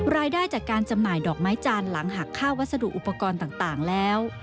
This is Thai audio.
รายได้จากการจำหน่ายดอกไม้จันทร์หลังหักค่าวัสดุอุปกรณ์ต่างแล้ว